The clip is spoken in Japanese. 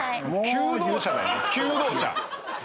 求道者よ。